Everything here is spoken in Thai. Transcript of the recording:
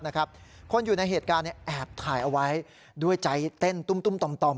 นะครับคนอยู่ในเหตุการณ์นี้ยไว้ด้วยใจเต้นตุ้มตุ้มต่อมต่อม